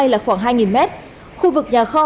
là khoảng hai m khu vực nhà kho